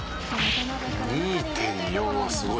「２．４はすごいね」